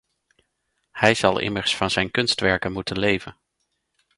Hij zal immers van zijn kunstwerken moeten leven.